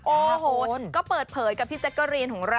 โอ้โหก็เปิดเผยกับพี่แจ๊กกะรีนของเรา